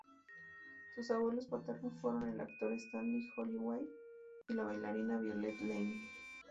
Sus abuelos paternos fueron el actor Stanley Holloway y la bailarina Violet Lane.